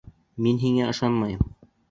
Мин һиңә ышанмайым.